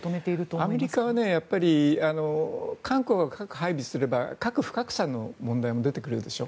アメリカは韓国が核配備をすれば核不拡散の問題も出てくるでしょう。